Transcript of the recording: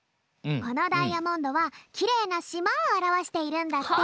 このダイヤモンドはきれいなしまをあらわしているんだって。